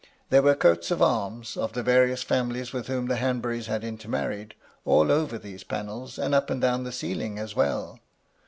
There were coats of arms, of the various families with whom the Hanburys had intermarried, all over these panels, and up and down the ceiling as well.